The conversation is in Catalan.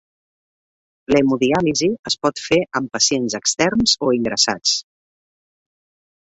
L'hemodiàlisi es pot fer amb pacients externs o ingressats.